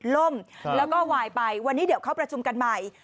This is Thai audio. ล่มแล้วก็วายไปวันนี้เดี๋ยวเข้าประชุมกันใหม่